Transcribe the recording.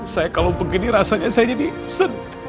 saya kalau begini rasanya saya jadi sedih